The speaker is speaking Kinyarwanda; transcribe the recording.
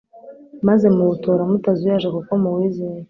maze muwutora mutazuyaje kuko muwizeye